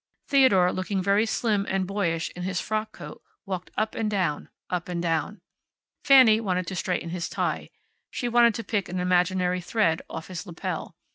Theodore, looking very slim and boyish in his frock coat, walked up and down, up and down. Fanny wanted to straighten his tie. She wanted to pick an imaginary thread off his lapel.